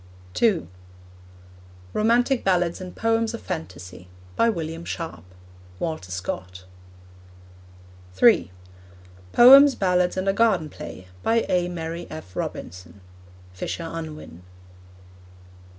(2) Romantic Ballads and Poems of Phantasy. By William Sharp. (Walter Scott.) (3) Poems, Ballads, and a Garden Play. By A. Mary F. Robinson. (Fisher Unwin.)